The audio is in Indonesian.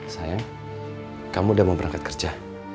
saya kamu udah mau berangkat kerja